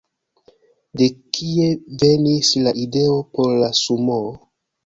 De kie venis la ideo por la sumoo?